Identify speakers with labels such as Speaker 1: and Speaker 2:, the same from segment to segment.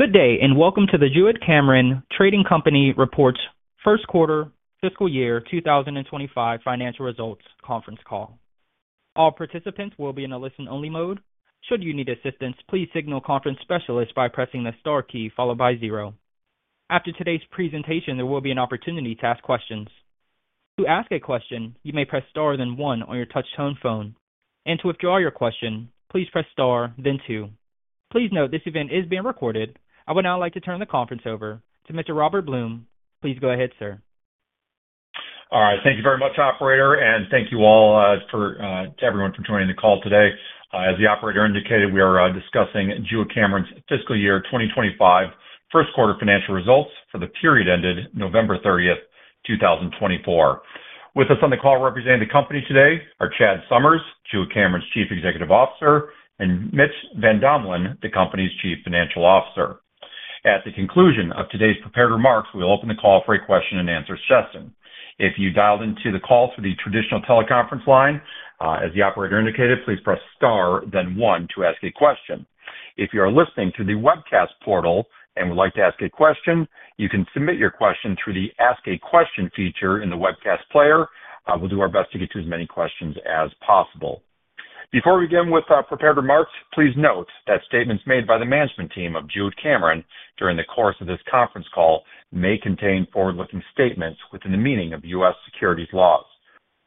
Speaker 1: Good day, and welcome to the Jewett-Cameron Trading Company Reports First Quarter Fiscal Year 2025 Financial Results Conference Call. All participants will be in a listen-only mode. Should you need assistance, please signal conference specialists by pressing the star key followed by zero. After today's presentation, there will be an opportunity to ask questions. To ask a question, you may press star then one on your touch-tone phone. And to withdraw your question, please press star then two. Please note this event is being recorded. I would now like to turn the conference over to Mr. Robert Blum. Please go ahead, sir.
Speaker 2: All right. Thank you very much, Operator, and thank you all for joining the call today. As the Operator indicated, we are discussing Jewett-Cameron's Fiscal Year 2025 First Quarter Financial Results for the period ended November 30th, 2024. With us on the call representing the company today are Chad Summers, Jewett-Cameron's Chief Executive Officer, and Mitch Van Domelen, the company's Chief Financial Officer. At the conclusion of today's prepared remarks, we'll open the call for a question-and-answer session. If you dialed into the call through the traditional teleconference line, as the Operator indicated, please press star then one to ask a question. If you are listening to the webcast portal and would like to ask a question, you can submit your question through the Ask-A-Question feature in the webcast player. We'll do our best to get to as many questions as possible. Before we begin with prepared remarks, please note that statements made by the management team of Jewett-Cameron during the course of this conference call may contain forward-looking statements within the meaning of U.S. securities laws.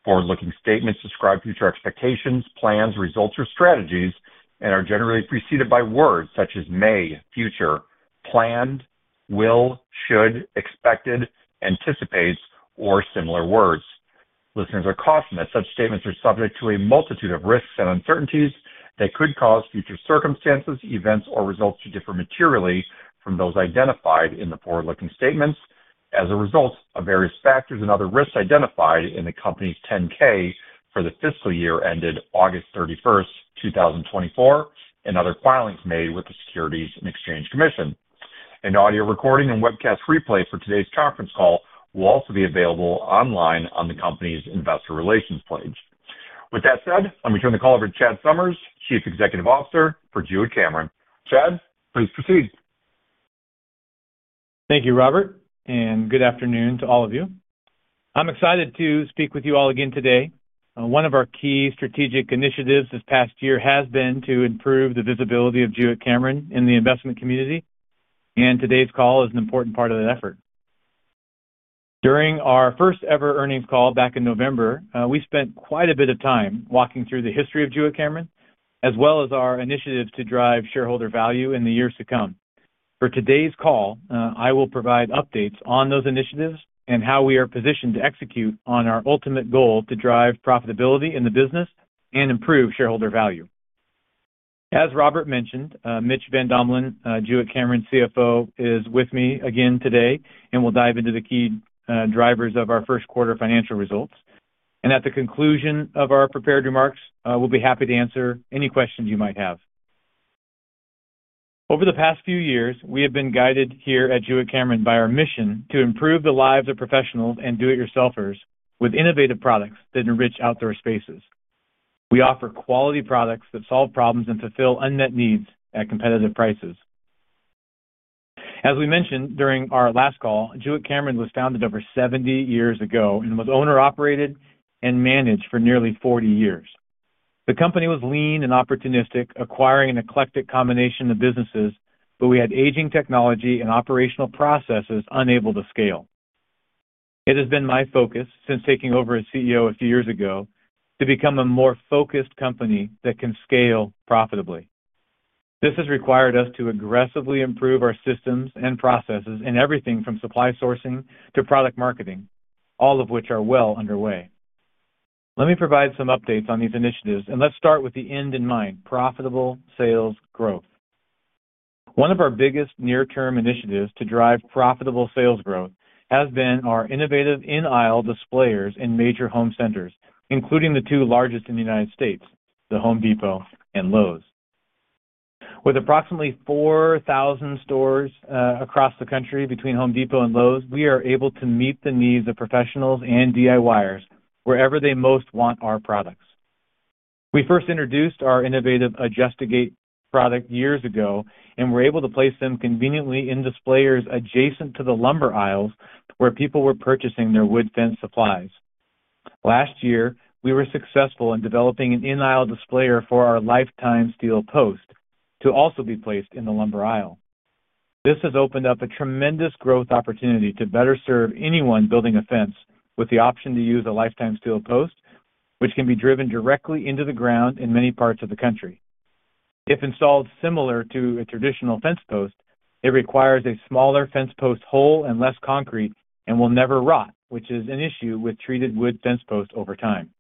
Speaker 2: Forward-looking statements describe future expectations, plans, results, or strategies, and are generally preceded by words such as may, future, planned, will, should, expected, anticipates, or similar words. Listeners are cautioned that such statements are subject to a multitude of risks and uncertainties that could cause future circumstances, events, or results to differ materially from those identified in the forward-looking statements as a result of various factors and other risks identified in the company's 10-K for the fiscal year ended August 31st, 2024, and other filings made with the Securities and Exchange Commission. An audio recording and webcast replay for today's conference call will also be available online on the company's investor relations page. With that said, let me turn the call over to Chad Summers, Chief Executive Officer for Jewett-Cameron. Chad, please proceed.
Speaker 3: Thank you, Robert, and good afternoon to all of you. I'm excited to speak with you all again today. One of our key strategic initiatives this past year has been to improve the visibility of Jewett-Cameron in the investment community, and today's call is an important part of that effort. During our first-ever earnings call back in November, we spent quite a bit of time walking through the history of Jewett-Cameron as well as our initiatives to drive shareholder value in the years to come. For today's call, I will provide updates on those initiatives and how we are positioned to execute on our ultimate goal to drive profitability in the business and improve shareholder value. As Robert mentioned, Mitch Van Domelen, Jewett-Cameron CFO, is with me again today and will dive into the key drivers of our First Quarter Financial Results. At the conclusion of our prepared remarks, we'll be happy to answer any questions you might have. Over the past few years, we have been guided here at Jewett-Cameron by our mission to improve the lives of professionals and do-it-yourselfers with innovative products that enrich outdoor spaces. We offer quality products that solve problems and fulfill unmet needs at competitive prices. As we mentioned during our last call, Jewett-Cameron was founded over 70 years ago and was owner-operated and managed for nearly 40 years. The company was lean and opportunistic, acquiring an eclectic combination of businesses, but we had aging technology and operational processes unable to scale. It has been my focus since taking over as CEO a few years ago to become a more focused company that can scale profitably. This has required us to aggressively improve our systems and processes in everything from supply sourcing to product marketing, all of which are well underway. Let me provide some updates on these initiatives, and let's start with the end in mind: profitable sales growth. One of our biggest near-term initiatives to drive profitable sales growth has been our innovative in-aisle displayers in major home centers, including the two largest in the United States, The Home Depot and Lowe's. With approximately 4,000 stores, across the country between Home Depot and Lowe's, we are able to meet the needs of professionals and DIYers wherever they most want our products. We first introduced our innovative Adjust-A-Gate product years ago, and we're able to place them conveniently in displayers adjacent to the lumber aisles where people were purchasing their wood fence supplies. Last year, we were successful in developing an in-aisle displayer for our Lifetime Steel Post to also be placed in the lumber aisle. This has opened up a tremendous growth opportunity to better serve anyone building a fence with the option to use a Lifetime Steel Post, which can be driven directly into the ground in many parts of the country. If installed similar to a traditional fence post, it requires a smaller fence post hole and less concrete and will never rot, which is an issue with treated wood fence posts over time.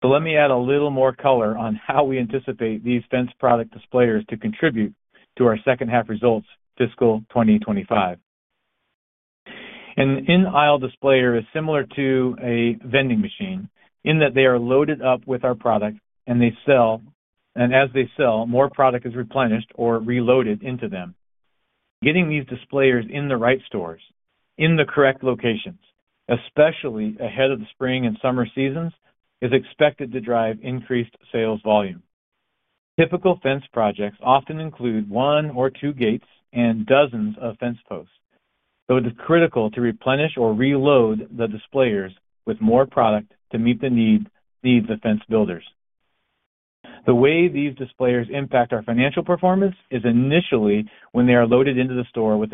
Speaker 3: So let me add a little more color on how we anticipate these fence product displayers to contribute to our second-half results fiscal 2025. An in-aisle displayer is similar to a vending machine in that they are loaded up with our product, and they sell, and as they sell, more product is replenished or reloaded into them. Getting these displayers in the right stores, in the correct locations, especially ahead of the spring and summer seasons, is expected to drive increased sales volume. Typical fence projects often include one or two gates and dozens of fence posts, so it is critical to replenish or reload the displayers with more product to meet the needs of fence builders. The way these displayers impact our financial performance is initially when they are loaded into the store with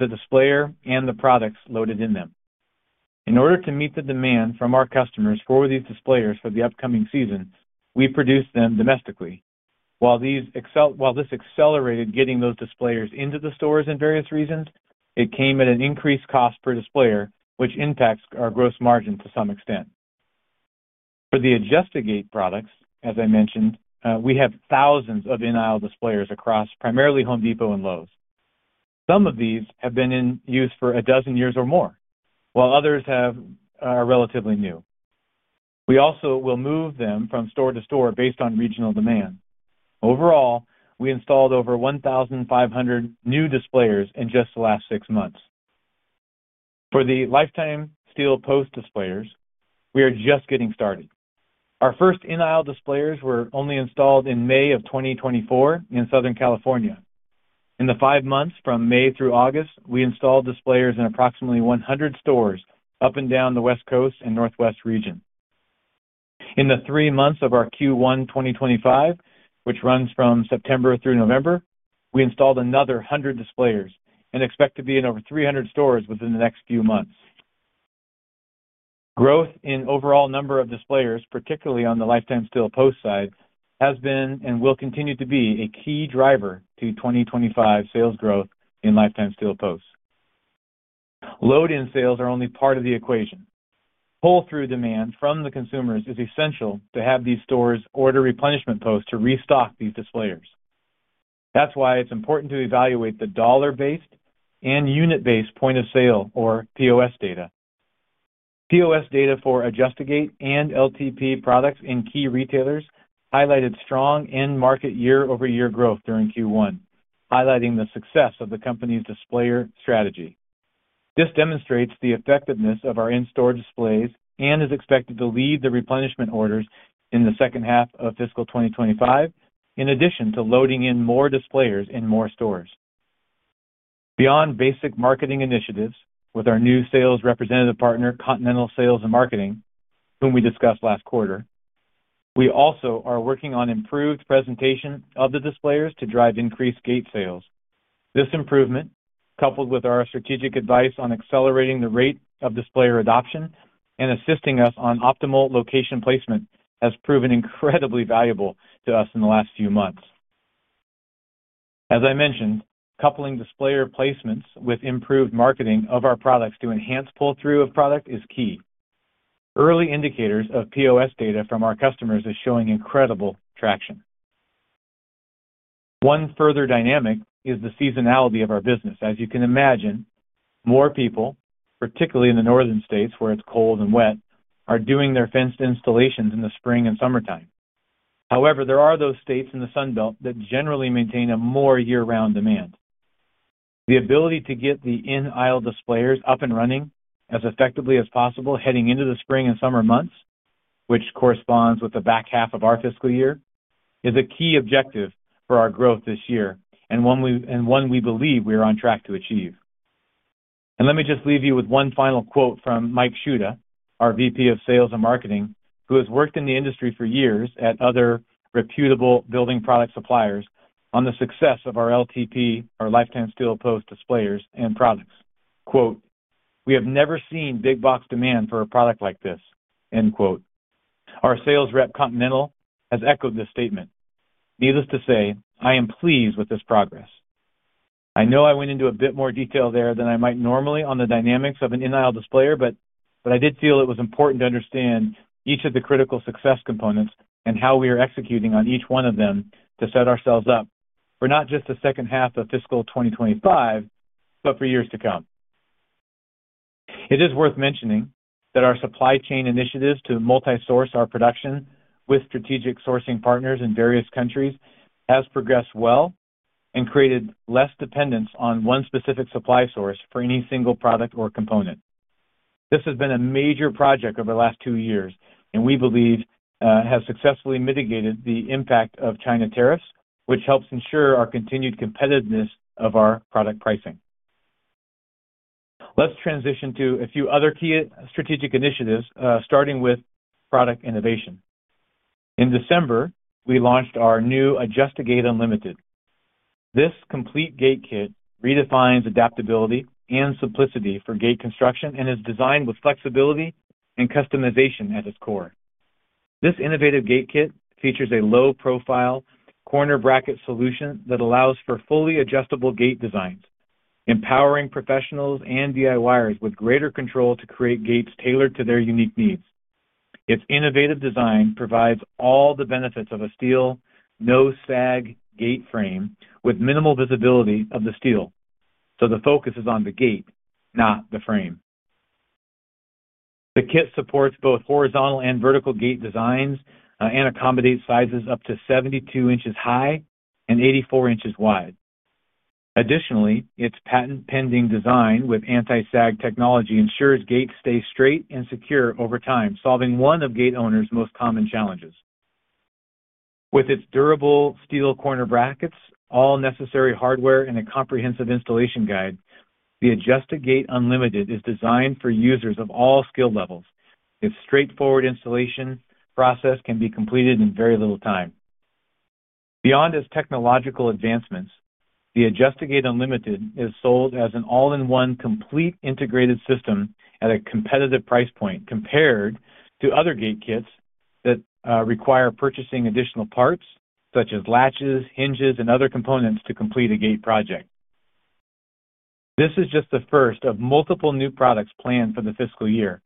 Speaker 3: a displayer and the products loaded in them. In order to meet the demand from our customers for these displayers for the upcoming season, we produce them domestically. While this accelerated getting those displayers into the stores and various reasons, it came at an increased cost per displayer, which impacts our gross margin to some extent. For the Adjust-A-Gate products, as I mentioned, we have thousands of in-aisle displayers across primarily Home Depot and Lowe's. Some of these have been in use for a dozen years or more, while others are relatively new. We also will move them from store to store based on regional demand. Overall, we installed over 1,500 new displayers in just the last six months. For the Lifetime Steel Post displayers, we are just getting started. Our first in-aisle displayers were only installed in May of 2024 in Southern California. In the five months from May through August, we installed displayers in approximately 100 stores up and down the West Coast and Northwest region. In the three months of our Q1 2025, which runs from September through November, we installed another 100 displayers and expect to be in over 300 stores within the next few months. Growth in overall number of displayers, particularly on the Lifetime Steel Post side, has been and will continue to be a key driver to 2025 sales growth in Lifetime Steel Post. Load-in sales are only part of the equation. Pull-through demand from the consumers is essential to have these stores order replenishment posts to restock these displayers. That's why it's important to evaluate the dollar-based and unit-based point of sale, or POS data. POS data for Adjust-A-Gate and LTP products in key retailers highlighted strong end-market year-over-year growth during Q1, highlighting the success of the company's displayer strategy. This demonstrates the effectiveness of our in-store displays and is expected to lead the replenishment orders in the second half of fiscal 2025, in addition to loading in more displayers in more stores. Beyond basic marketing initiatives with our new sales representative partner, Continental Sales and Marketing, whom we discussed last quarter, we also are working on improved presentation of the displayers to drive increased gate sales. This improvement, coupled with our strategic advice on accelerating the rate of displayer adoption and assisting us on optimal location placement, has proven incredibly valuable to us in the last few months. As I mentioned, coupling displayer placements with improved marketing of our products to enhance pull-through of product is key. Early indicators of POS data from our customers are showing incredible traction. One further dynamic is the seasonality of our business. As you can imagine, more people, particularly in the northern states where it's cold and wet, are doing their fence installations in the spring and summertime. However, there are those states in the Sunbelt that generally maintain a more year-round demand. The ability to get the in-aisle displayers up and running as effectively as possible heading into the spring and summer months, which corresponds with the back half of our fiscal year, is a key objective for our growth this year and one we believe we are on track to achieve. And let me just leave you with one final quote from Mike Schuda, our VP of Sales and Marketing, who has worked in the industry for years at other reputable building product suppliers on the success of our LTP, our Lifetime Steel Post displayers and products. “We have never seen big-box demand for a product like this.” Our sales rep, Continental, has echoed this statement. Needless to say, I am pleased with this progress. I know I went into a bit more detail there than I might normally on the dynamics of an in-aisle displayer, but I did feel it was important to understand each of the critical success components and how we are executing on each one of them to set ourselves up for not just the second half of fiscal 2025, but for years to come. It is worth mentioning that our supply chain initiatives to multi-source our production with strategic sourcing partners in various countries have progressed well and created less dependence on one specific supply source for any single product or component. This has been a major project over the last two years, and we believe, has successfully mitigated the impact of China tariffs, which helps ensure our continued competitiveness of our product pricing. Let's transition to a few other key strategic initiatives, starting with product innovation. In December, we launched our new Adjust-A-Gate Unlimited. This complete gate kit redefines adaptability and simplicity for gate construction and is designed with flexibility and customization at its core. This innovative gate kit features a low-profile corner bracket solution that allows for fully adjustable gate designs, empowering professionals and DIYers with greater control to create gates tailored to their unique needs. Its innovative design provides all the benefits of a steel, no-sag gate frame with minimal visibility of the steel, so the focus is on the gate, not the frame. The kit supports both horizontal and vertical gate designs, and accommodates sizes up to 72 inches high and 84 inches wide. Additionally, its patent-pending design with anti-sag technology ensures gates stay straight and secure over time, solving one of gate owners' most common challenges. With its durable steel corner brackets, all necessary hardware, and a comprehensive installation guide, the Adjust-A-Gate Unlimited is designed for users of all skill levels. Its straightforward installation process can be completed in very little time. Beyond its technological advancements, the Adjust-A-Gate Unlimited is sold as an all-in-one complete integrated system at a competitive price point compared to other gate kits that require purchasing additional parts such as latches, hinges, and other components to complete a gate project. This is just the first of multiple new products planned for the fiscal year.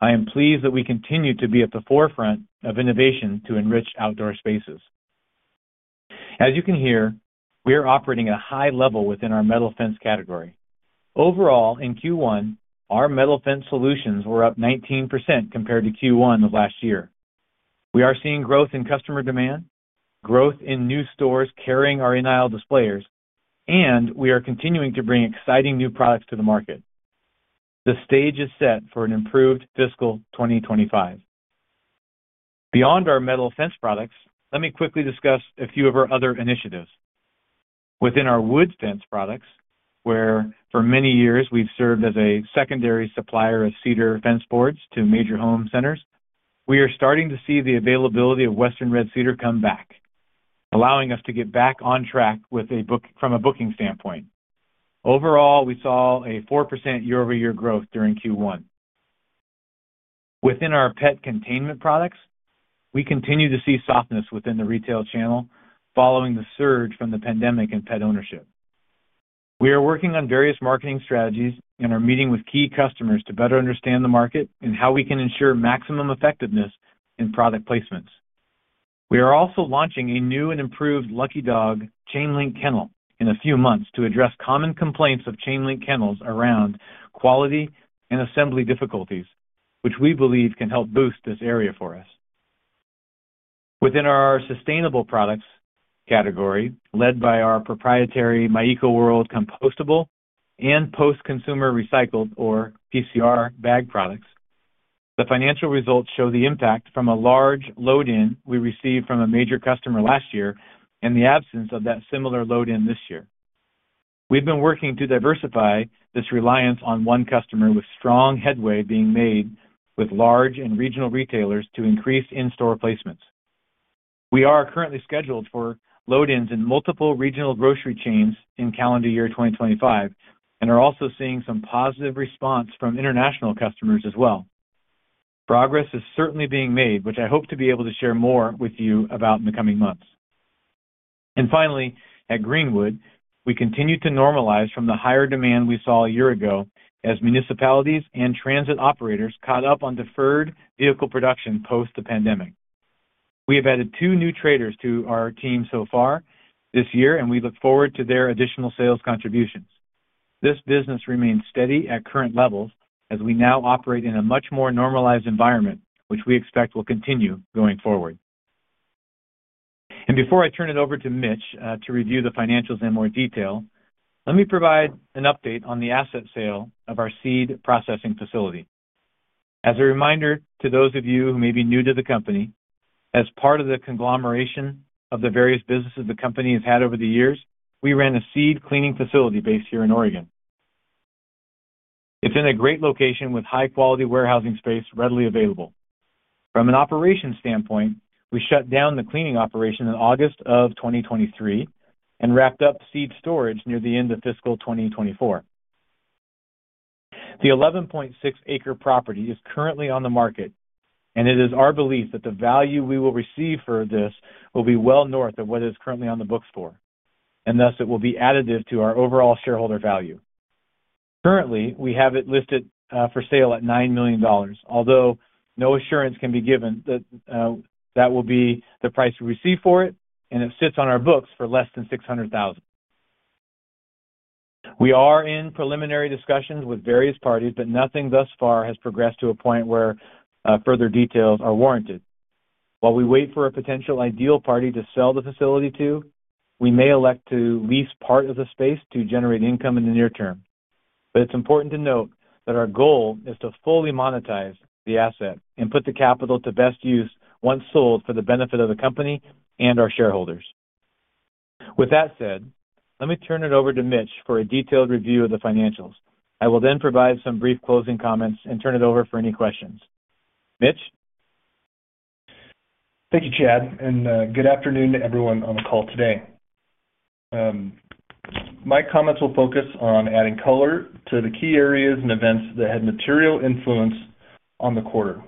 Speaker 3: I am pleased that we continue to be at the forefront of innovation to enrich outdoor spaces. As you can hear, we are operating at a high level within our metal fence category. Overall, in Q1, our metal fence solutions were up 19% compared to Q1 of last year. We are seeing growth in customer demand, growth in new stores carrying our in-aisle displayers, and we are continuing to bring exciting new products to the market. The stage is set for an improved fiscal 2025. Beyond our metal fence products, let me quickly discuss a few of our other initiatives. Within our wood fence products, where for many years we've served as a secondary supplier of cedar fence boards to major home centers, we are starting to see the availability of Western Red Cedar come back, allowing us to get back on track from a booking standpoint. Overall, we saw a 4% year-over-year growth during Q1. Within our pet containment products, we continue to see softness within the retail channel following the surge from the pandemic in pet ownership. We are working on various marketing strategies and are meeting with key customers to better understand the market and how we can ensure maximum effectiveness in product placements. We are also launching a new and improved Lucky Dog Chain Link Kennel in a few months to address common complaints of chainlink kennels around quality and assembly difficulties, which we believe can help boost this area for us. Within our sustainable products category, led by our proprietary MyEcoWorld Compostable and Post-Consumer Recycled, or PCR, bag products, the financial results show the impact from a large load-in we received from a major customer last year and the absence of that similar load-in this year. We've been working to diversify this reliance on one customer with strong headway being made with large and regional retailers to increase in-store placements. We are currently scheduled for load-ins in multiple regional grocery chains in calendar year 2025 and are also seeing some positive response from international customers as well. Progress is certainly being made, which I hope to be able to share more with you about in the coming months, and finally, at Greenwood, we continue to normalize from the higher demand we saw a year ago as municipalities and transit operators caught up on deferred vehicle production post the pandemic. We have added two new traders to our team so far this year, and we look forward to their additional sales contributions. This business remains steady at current levels as we now operate in a much more normalized environment, which we expect will continue going forward. Before I turn it over to Mitch, to review the financials in more detail, let me provide an update on the asset sale of our seed processing facility. As a reminder to those of you who may be new to the company, as part of the conglomeration of the various businesses the company has had over the years, we ran a seed cleaning facility based here in Oregon. It's in a great location with high-quality warehousing space readily available. From an operations standpoint, we shut down the cleaning operation in August of 2023 and wrapped up seed storage near the end of fiscal 2024. The 11.6-acre property is currently on the market, and it is our belief that the value we will receive for this will be well north of what it is currently on the books for, and thus it will be additive to our overall shareholder value. Currently, we have it listed for sale at $9 million, although no assurance can be given that will be the price we receive for it, and it sits on our books for less than $600,000. We are in preliminary discussions with various parties, but nothing thus far has progressed to a point where further details are warranted. While we wait for a potential ideal party to sell the facility to, we may elect to lease part of the space to generate income in the near term. But it's important to note that our goal is to fully monetize the asset and put the capital to best use once sold for the benefit of the company and our shareholders. With that said, let me turn it over to Mitch for a detailed review of the financials. I will then provide some brief closing comments and turn it over for any questions. Mitch?
Speaker 4: Thank you, Chad, and good afternoon to everyone on the call today. My comments will focus on adding color to the key areas and events that had material influence on the quarter.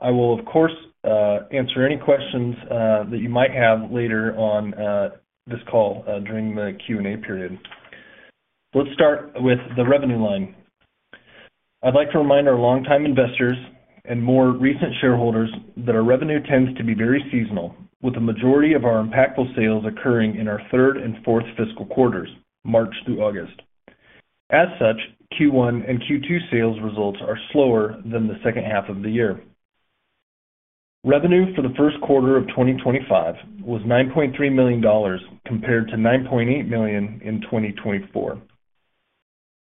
Speaker 4: I will, of course, answer any questions that you might have later on this call during the Q&A period. Let's start with the revenue line. I'd like to remind our longtime investors and more recent shareholders that our revenue tends to be very seasonal, with the majority of our impactful sales occurring in our third and fourth fiscal quarters, March through August. As such, Q1 and Q2 sales results are slower than the second half of the year. Revenue for the first quarter of 2025 was $9.3 million compared to $9.8 million in 2024.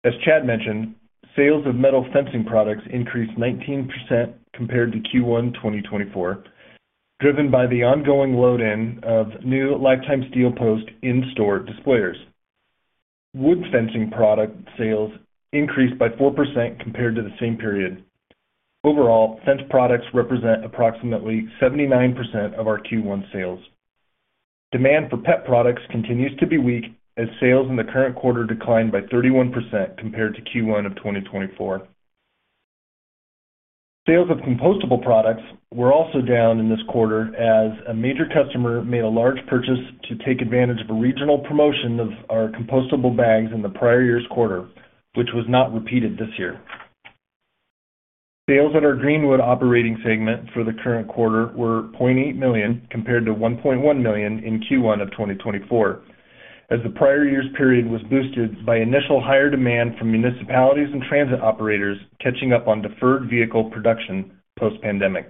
Speaker 4: As Chad mentioned, sales of metal fencing products increased 19% compared to Q1 2024, driven by the ongoing load-in of new Lifetime Steel Post in-store displayers. Wood fencing product sales increased by 4% compared to the same period. Overall, fence products represent approximately 79% of our Q1 sales. Demand for pet products continues to be weak as sales in the current quarter declined by 31% compared to Q1 of 2024. Sales of compostable products were also down in this quarter as a major customer made a large purchase to take advantage of a regional promotion of our compostable bags in the prior year's quarter, which was not repeated this year. Sales at our Greenwood operating segment for the current quarter were $0.8 million compared to $1.1 million in Q1 of 2024, as the prior year's period was boosted by initial higher demand from municipalities and transit operators catching up on deferred vehicle production post-pandemic.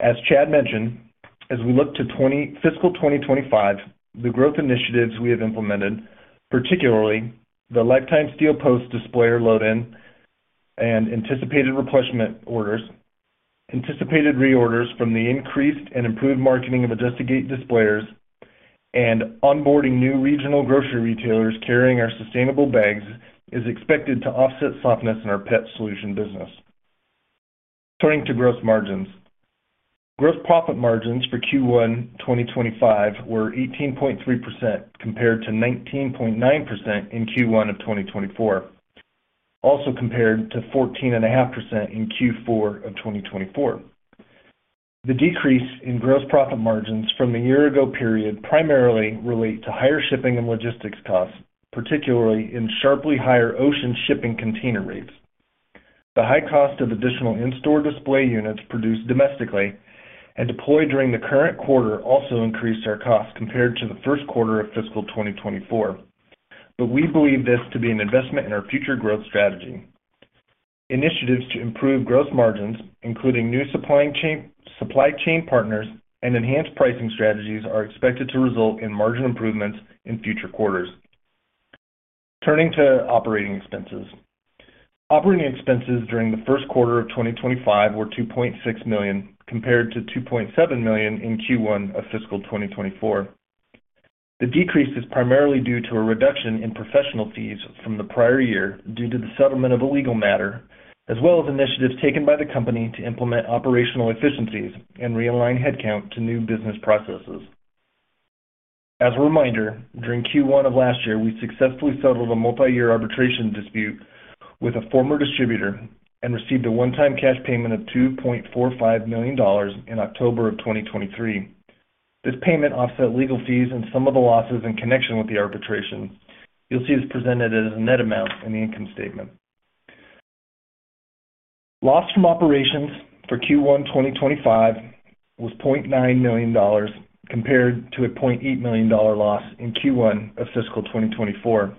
Speaker 4: As Chad mentioned, as we look to fiscal 2025, the growth initiatives we have implemented, particularly the Lifetime Steel Post displayer load-in and anticipated replenishment orders, anticipated reorders from the increased and improved marketing of Adjust-A-Gate displayers, and onboarding new regional grocery retailers carrying our sustainable bags is expected to offset softness in our pet solution business. Turning to gross margins, gross profit margins for Q1 2025 were 18.3% compared to 19.9% in Q1 of 2024, also compared to 14.5% in Q4 of 2024. The decrease in gross profit margins from the year-ago period primarily relates to higher shipping and logistics costs, particularly in sharply higher ocean shipping container rates. The high cost of additional in-store display units produced domestically and deployed during the current quarter also increased our costs compared to the first quarter of fiscal 2024, but we believe this to be an investment in our future growth strategy. Initiatives to improve gross margins, including new supply chain partners and enhanced pricing strategies, are expected to result in margin improvements in future quarters. Turning to operating expenses, operating expenses during the first quarter of 2025 were $2.6 million compared to $2.7 million in Q1 of fiscal 2024. The decrease is primarily due to a reduction in professional fees from the prior year due to the settlement of a legal matter, as well as initiatives taken by the company to implement operational efficiencies and realign headcount to new business processes. As a reminder, during Q1 of last year, we successfully settled a multi-year arbitration dispute with a former distributor and received a one-time cash payment of $2.45 million in October of 2023. This payment offset legal fees and some of the losses in connection with the arbitration. You'll see this presented as a net amount in the income statement. Loss from operations for Q1 2025 was $0.9 million compared to a $0.8 million loss in Q1 of fiscal 2024.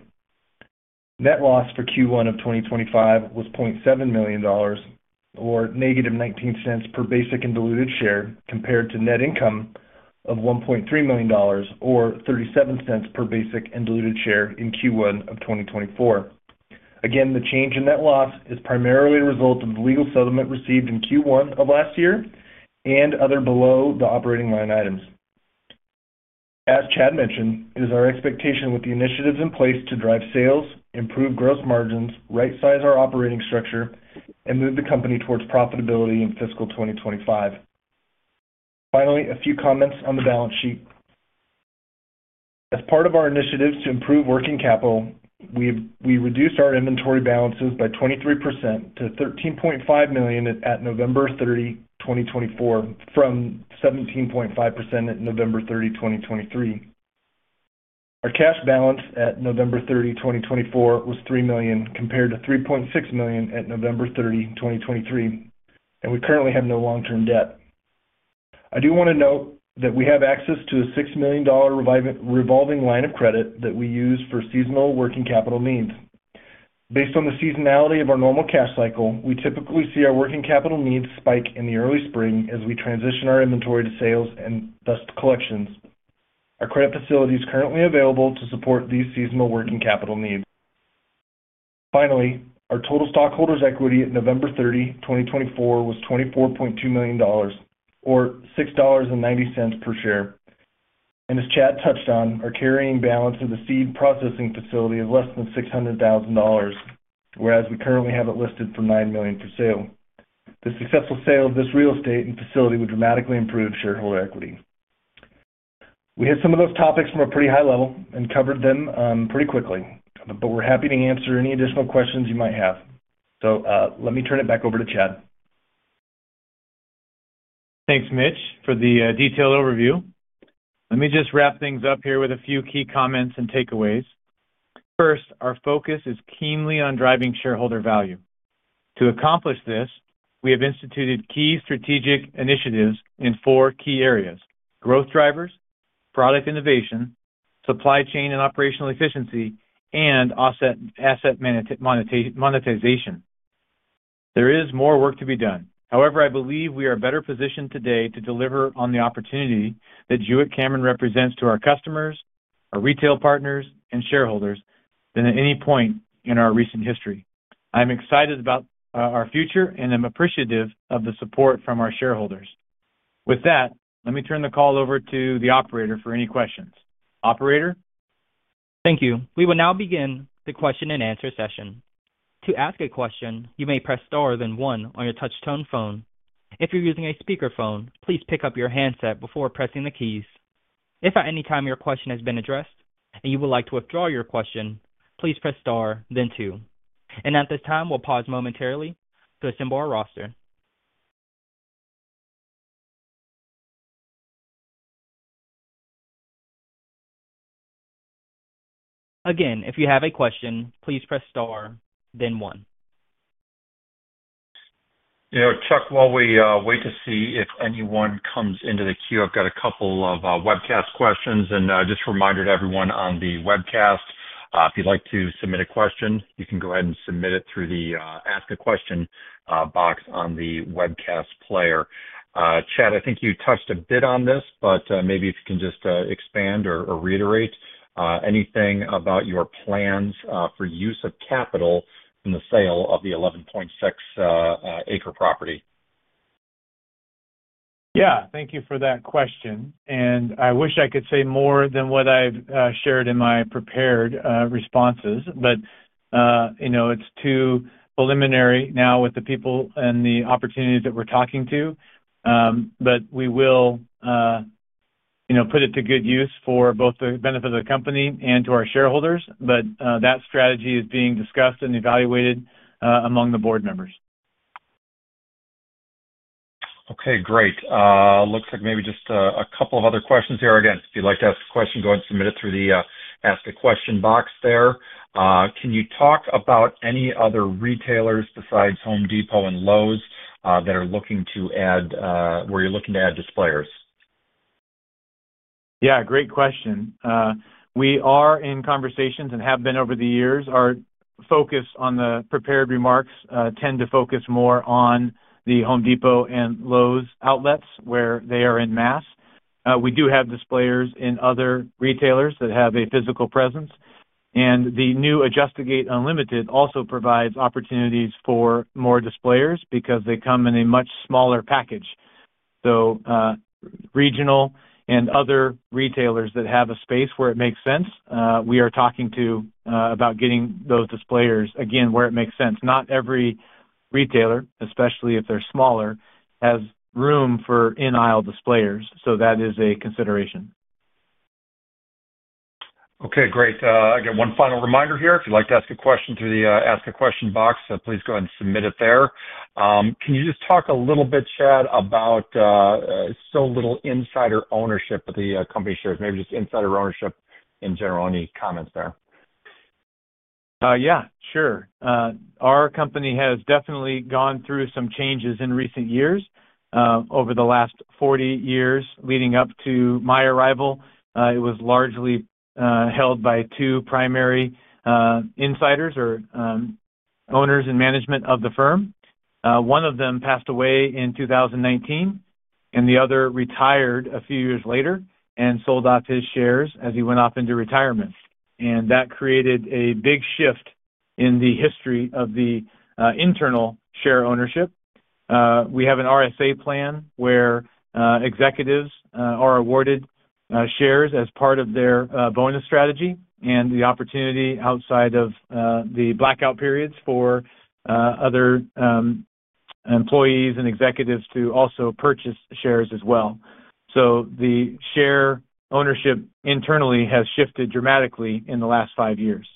Speaker 4: Net loss for Q1 of 2025 was $0.7 million, or negative $0.19 per basic and diluted share, compared to net income of $1.3 million, or $0.37 per basic and diluted share in Q1 of 2024. Again, the change in net loss is primarily a result of the legal settlement received in Q1 of last year and other below-the-operating-line items. As Chad mentioned, it is our expectation with the initiatives in place to drive sales, improve gross margins, right-size our operating structure, and move the company towards profitability in fiscal 2025. Finally, a few comments on the balance sheet. As part of our initiatives to improve working capital, we reduced our inventory balances by 23% to $13.5 million at November 30, 2024, from $17.5 million at November 30, 2023. Our cash balance at November 30, 2024, was $3 million compared to $3.6 million at November 30, 2023, and we currently have no long-term debt. I do want to note that we have access to a $6 million revolving line of credit that we use for seasonal working capital needs. Based on the seasonality of our normal cash cycle, we typically see our working capital needs spike in the early spring as we transition our inventory to sales and thus to collections. Our credit facility is currently available to support these seasonal working capital needs. Finally, our total stockholders' equity at November 30, 2024, was $24.2 million, or $6.90 per share, and as Chad touched on, our carrying balance of the seed processing facility is less than $600,000, whereas we currently have it listed for $9 million for sale. The successful sale of this real estate and facility would dramatically improve shareholder equity. We hit some of those topics from a pretty high level and covered them pretty quickly, but we're happy to answer any additional questions you might have. So, let me turn it back over to Chad.
Speaker 3: Thanks, Mitch, for the detailed overview. Let me just wrap things up here with a few key comments and takeaways. First, our focus is keenly on driving shareholder value. To accomplish this, we have instituted key strategic initiatives in four key areas: growth drivers, product innovation, supply chain and operational efficiency, and asset monetization. There is more work to be done. However, I believe we are better positioned today to deliver on the opportunity that Jewett-Cameron represents to our customers, our retail partners, and shareholders than at any point in our recent history. I'm excited about our future and am appreciative of the support from our shareholders. With that, let me turn the call over to the operator for any questions. Operator?
Speaker 1: Thank you. We will now begin the question-and-answer session. To ask a question, you may press star then one on your touch-tone phone. If you're using a speakerphone, please pick up your handset before pressing the keys. If at any time your question has been addressed and you would like to withdraw your question, please press star, then two. And at this time, we'll pause momentarily to assemble our roster. Again, if you have a question, please press star, then one.
Speaker 2: You know, Chad, while we wait to see if anyone comes into the queue, I've got a couple of webcast questions and just a reminder to everyone on the webcast, if you'd like to submit a question, you can go ahead and submit it through the ask a question box on the webcast player. Chad, I think you touched a bit on this, but maybe if you can just expand or or reiterate anything about your plans for use of capital in the sale of the 11.6-acre property.
Speaker 3: Yeah, thank you for that question. And I wish I could say more than what I've shared in my prepared responses, but you know, it's too preliminary now with the people and the opportunities that we're talking to. But we will you know, put it to good use for both the benefit of the company and to our shareholders. But that strategy is being discussed and evaluated among the board members.
Speaker 2: Okay, great. Looks like maybe just a couple of other questions here. Again, if you'd like to ask a question, go ahead and submit it through the ask a question box there. Can you talk about any other retailers besides Home Depot and Lowe's that are looking to add where you're looking to add displayers?
Speaker 3: Yeah, great question. We are in conversations and have been over the years. Our focus on the prepared remarks tend to focus more on the Home Depot and Lowe's outlets where they are en masse. We do have displayers in other retailers that have a physical presence, and the new Adjust-A-Gate Unlimited also provides opportunities for more displayers because they come in a much smaller package. So, regional and other retailers that have a space where it makes sense, we are talking to about getting those displayers again where it makes sense. Not every retailer, especially if they're smaller, has room for in-aisle displayers. So that is a consideration.
Speaker 2: Okay, great. I got one final reminder here. If you'd like to ask a question through the ask a question box, please go ahead and submit it there. Can you just talk a little bit, Chad, about so little insider ownership of the company shares, maybe just insider ownership in general, any comments there?
Speaker 3: Yeah, sure. Our company has definitely gone through some changes in recent years. Over the last 40 years leading up to my arrival, it was largely held by two primary insiders or owners and management of the firm. One of them passed away in 2019, and the other retired a few years later and sold off his shares as he went off into retirement. And that created a big shift in the history of the internal share ownership. We have an RSA plan where executives are awarded shares as part of their bonus strategy and the opportunity outside of the blackout periods for other employees and executives to also purchase shares as well. So the share ownership internally has shifted dramatically in the last five years.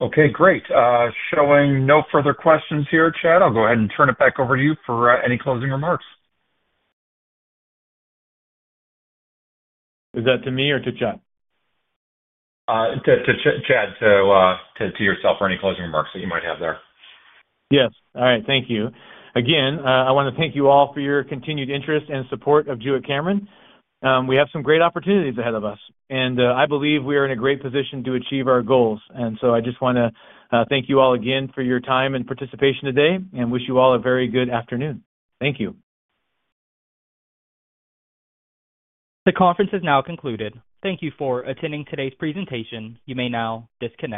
Speaker 2: Okay, great. Showing no further questions here, Chad. I'll go ahead and turn it back over to you for any closing remarks.
Speaker 4: Is that to me or to Chad?
Speaker 2: To Chad, to yourself for any closing remarks that you might have there.
Speaker 3: Yes. All right. Thank you. Again, I want to thank you all for your continued interest and support of Jewett-Cameron. We have some great opportunities ahead of us, and I believe we are in a great position to achieve our goals, and so I just want to thank you all again for your time and participation today and wish you all a very good afternoon. Thank you.
Speaker 1: The conference has now concluded. Thank you for attending today's presentation. You may now disconnect.